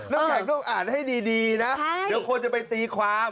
น้ำแข็งต้องอ่านให้ดีนะเดี๋ยวคนจะไปตีความ